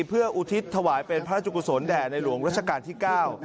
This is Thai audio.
เพื่ออุทิศถวายเป็นพระราชจุกุศลแด่ในหลวงรัชกาลที่เก้า